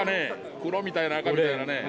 黒みたいな、赤みたいな。